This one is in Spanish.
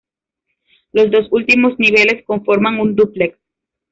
Los dos últimos niveles conforman un "dúplex".